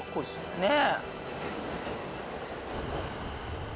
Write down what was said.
ねえ。